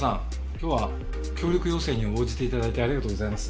今日は協力要請に応じて頂いてありがとうございます。